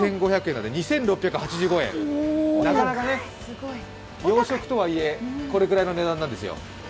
なんで２６８５円、なかなか養殖とはいえこれぐらいの値段なんですよ。